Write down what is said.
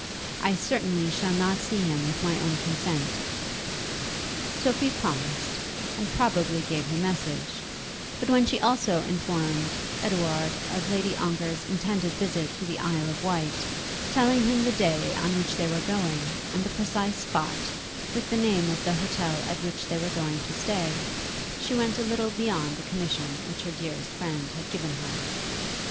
I certainly shall not see him with my own consent." Sophie promised, and probably gave the message; but when she also informed Edouard of Lady Ongar's intended visit to the Isle of Wight, telling him the day on which they were going and the precise spot, with the name of the hotel at which they were to stay, she went a little beyond the commission which her dearest friend had given her.